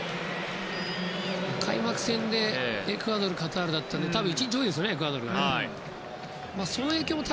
開幕戦でエクアドル、カタールだったんで多分１日多いですよねエクアドルのほうが。